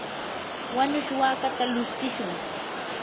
wanush wakata lushtishun.